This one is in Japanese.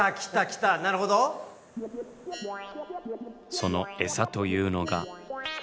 そのエサというのが。